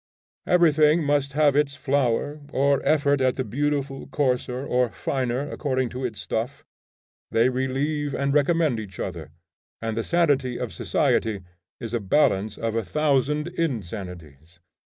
Everything must have its flower or effort at the beautiful, coarser or finer according to its stuff. They relieve and recommend each other, and the sanity of society is a balance of a thousand insanities.